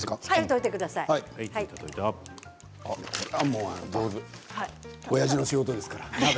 おやじの仕事ですから。